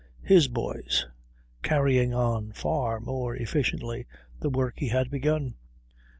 His boys. Carrying on, far more efficiently, the work he had begun.